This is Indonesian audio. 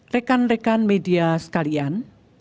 rekan rekan media sekalian